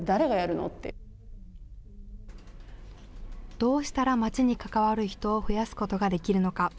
どうしたら、まちに関わる人を増やすことができるのか。